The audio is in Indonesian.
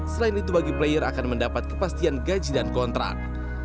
selain itu bagi player akan mendapat kepastian gaji dan kontrak